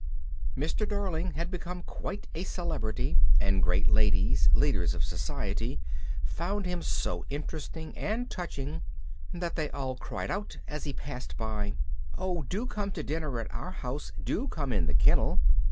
Mr. Darling had become quite a celebrity, and great ladies, leaders of society, found him so interesting and touching, that they all cried out as he passed by, "Oh, do come to dinner at our house, do come in the kennel!"